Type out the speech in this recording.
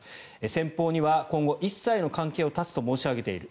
先方には今後一切の関係を断つと申し上げている。